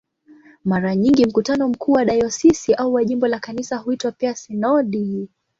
Mara nyingi mkutano mkuu wa dayosisi au wa jimbo la Kanisa huitwa pia "sinodi".